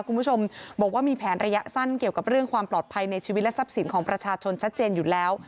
คุณผู้ชมบอกว่ามีแผนระยะสั้นเกี่ยวกับเรื่องความปลอดภัยในชีวิตและทรัพย์สินของประชาชนชัดเจนอยู่แล้ว